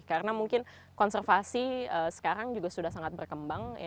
karena mungkin konservasi sekarang juga sudah sangat berkembang